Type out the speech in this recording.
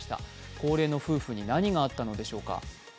高齢の夫婦に何があったのでしょうか。